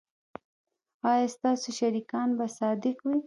ایا ستاسو شریکان به صادق وي؟